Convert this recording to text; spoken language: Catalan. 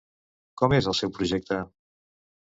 Com és el seu projecte?